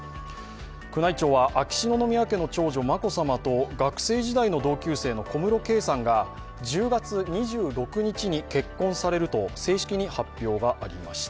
宮内庁は秋篠宮家の長女・眞子さまと学生時代の同級生、小室圭さんが１０月２６日に結婚されると正式に発表がありました。